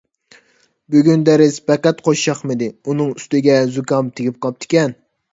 بۈگۈن دەرس پەقەت خۇشياقمىدى، ئۇنىڭ ئۈستىگە زۇكام تېگىپ قاپتىكەن.